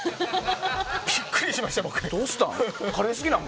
ビックリしましたよ、僕。